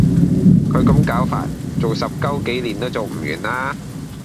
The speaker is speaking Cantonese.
佢咁攪法，做十九幾年都做唔完啦